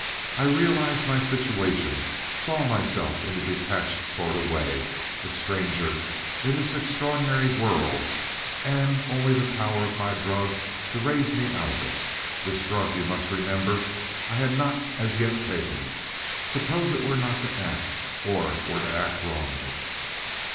I realized my situation saw myself in a detached sort of way a stranger in this extraordinary world, and only the power of my drug to raise me out of it. This drug you must remember, I had not as yet taken. Suppose it were not to act? Or were to act wrongly?